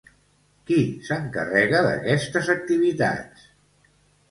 Qui s'encarrega d'aquestes activitats?